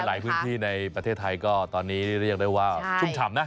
ในพื้นที่ในประเทศไทยก็ตอนนี้เรียกได้ว่าชุ่มฉ่ำนะ